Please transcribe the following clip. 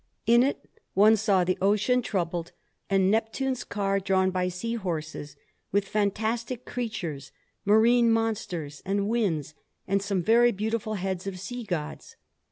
In it one saw the ocean troubled, and Neptune's car drawn by sea horses, with fantastic creatures, marine monsters and winds, and some very beautiful heads of sea gods.